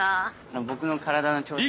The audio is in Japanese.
僕の体の調子が。